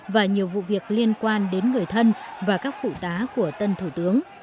và nhiều vụ việc liên quan đến người thân và các phụ tá của tân thủ tướng